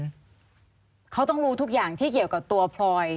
เขาต้องรู้ทุกอย่างที่เกี่ยวกับตัวพลอยเขาต้องรู้ทุกอย่างที่เกี่ยวกับตัวพลอย